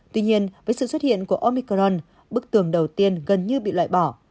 tuy nhiên với sự xuất hiện của omicron bức tường đầu tiên gần như bị loại bỏ